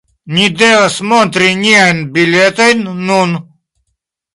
Ni devas montri niajn biletojn nun.